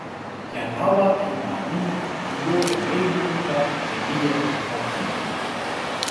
jan lawa pi ma ni li jo e meli unpa e mije unpa kin.